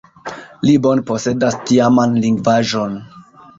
Li bone posedas tiaman lingvaĵon.